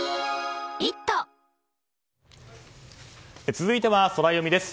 続いてはソラよみです。